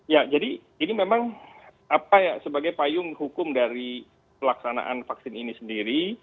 ya jadi ini memang apa ya sebagai payung hukum dari pelaksanaan vaksin ini sendiri